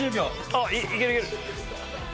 あっいけるいける！